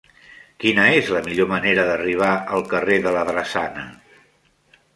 Quina és la millor manera d'arribar al carrer de la Drassana?